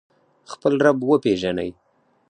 خپل رب وپیژنئ